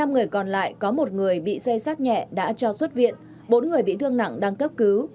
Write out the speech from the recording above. năm người còn lại có một người bị xây sát nhẹ đã cho xuất viện bốn người bị thương nặng đang cấp cứu